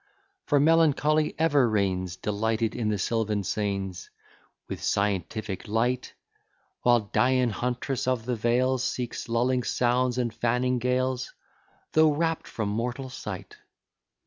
For, Melancholy ever reigns Delighted in the sylvan scenes With scientific light; While Dian, huntress of the vales, Seeks lulling sounds and fanning gales, Though wrapt from mortal sight.